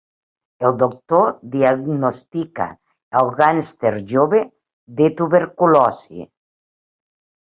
El doctor diagnostica el gàngster jove de tuberculosi.